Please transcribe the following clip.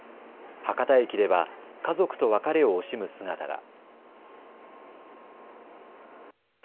博多駅では家族と別れを惜しむ姿が。